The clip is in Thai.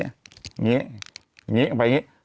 อย่างนี้เอาไปอย่างนี้